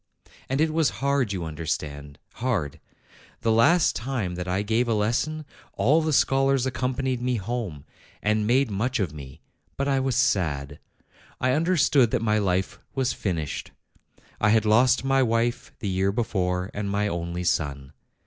And it was hard, you under stand, hard. The last time that I gave a lesson, all 224 APRIL the scholars accompanied me home, and made much of me; but I was sad; I understood that my life was finished. I had lost my wife the year before, and my only son.